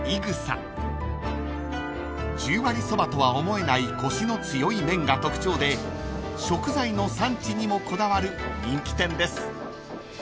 ［十割そばとは思えないコシの強い麺が特徴で食材の産地にもこだわる人気店です］